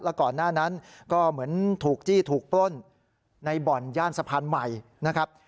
แล้วก่อนหน้านั้นก็เหมือนถูกจี้ถูกปล้นในบ่อนย่านสะพานใหม่นะครับ